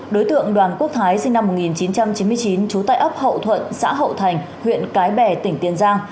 đối tượng đoàn quốc thái sinh năm một nghìn chín trăm chín mươi chín trú tại ấp hậu thuận xã hậu thành huyện cái bè tỉnh tiền giang